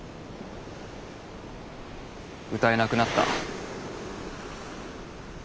歌えなくなった。